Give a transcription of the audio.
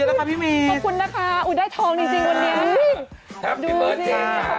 ขอบคุณนะคะอุ่นได้ทองจริงวันนี้